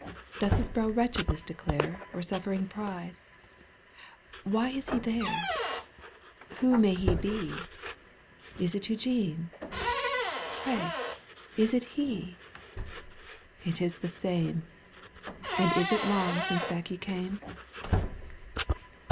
Doth his brow wretchedness declare Or suffering pride ? Why is he there ? Who may he be ? Is it Eugene ? Pray is it he ? It is the same. "And is it long since back he came